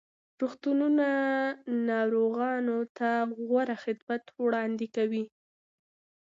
روغتونونه ناروغانو ته غوره خدمات وړاندې کوي.